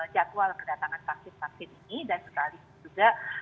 jadwal kedatangan vaksin vaksin ini dan sekaligus juga